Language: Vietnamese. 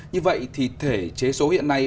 như vậy thì thể chế số hiện nay